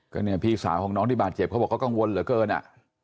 ก็เนี่ยพี่สาวของน้องที่บาดเจ็บเขาบอกเขากังวลเหลือเกินอ่ะ